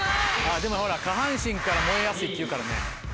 でもほら下半身から燃えやすいっていうからね。